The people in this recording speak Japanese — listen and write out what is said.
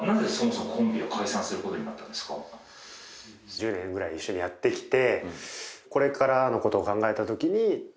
１０年ぐらい一緒にやってきて。